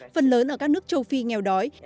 phần lớn ở các nước châu phi nghèo đói